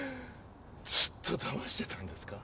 ずっとだましてたんですか？